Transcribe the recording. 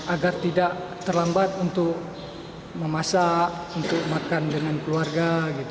agar tidak terlambat untuk memasak untuk makan dengan keluarga